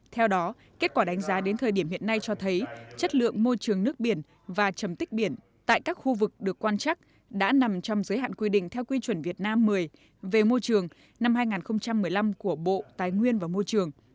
theo đó kết quả đánh giá đến thời điểm hiện nay cho thấy chất lượng môi trường nước biển và trầm tích biển tại các khu vực được quan chắc đã nằm trong giới hạn quy định theo quy chuẩn việt nam một mươi về môi trường năm hai nghìn một mươi năm của bộ tài nguyên và môi trường